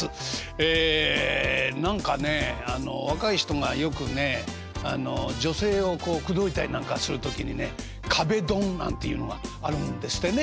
ええ何かね若い人がよくねあの女性を口説いたりなんかする時にね「壁ドン」なんていうのがあるんですってね。